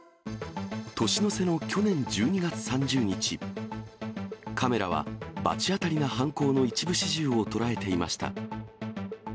年の瀬の去年１２月３０日、カメラは罰当たりな犯行の一部始終を捉えていました。